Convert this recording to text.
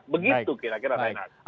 begitu kira kira renan